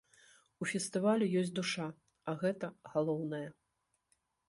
У фестывалю ёсць душа, а гэта галоўнае.